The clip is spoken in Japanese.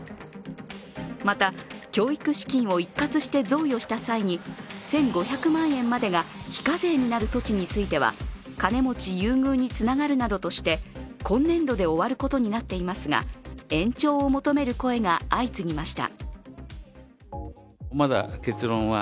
また教育資金を一括して贈与した際に１５００万円までが非課税になる措置については、金持ち優遇につながるなどとして今年度で終わることになっていますが、延長を求める声が相次ぎました。